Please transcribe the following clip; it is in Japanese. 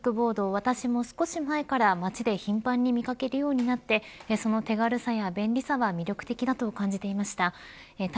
私も少し前から町で頻繁に見掛けるようになってその手軽さや便利さは魅力的だと感じていました。